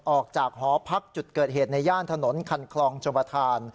ออกจากหอพักจุดเกิดเหตุในย่านถนนคันคลองชมประธาน